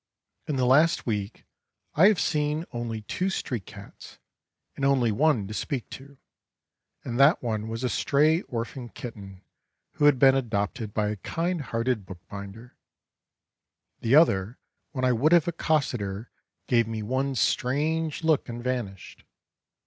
In the last week I have seen only two street cats and only one to speak to, and that one was a stray orphan kitten who had been adopted by a kind hearted bookbinder; the other when I would have accosted her gave me one strange look and vanished.